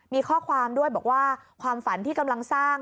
มีข้อความด้วยบอกว่าความฝันที่กำลังสร้าง